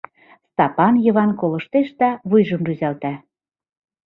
Стапан Йыван колыштеш да вуйжым рӱзалта.